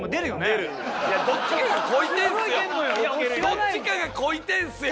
どっちかがこいてんすよ。